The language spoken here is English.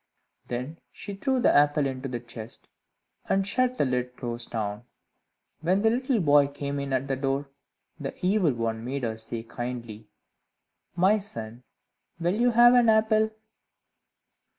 Then she threw the apple into the chest, and shut the lid close down. When the little boy came in at the door, the Evil One made her say kindly, "My son, will you have an apple?"